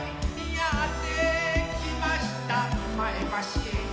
「やってきました前橋へ」